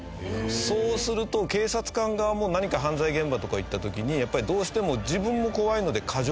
そうすると警察官側も何か犯罪現場とか行った時にやっぱりどうしても。